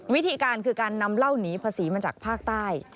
วิธีการคือการนำเหล้าหนีภาษีมาจากภาคใต้